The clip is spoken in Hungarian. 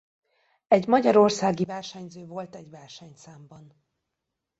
Egy magyarországi versenyző volt egy versenyszámban.